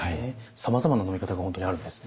さまざまな飲み方が本当にあるんですね。